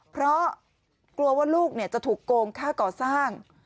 เพราะกลัวว่าลูกจะถูกโกงค่าก่อสร้าง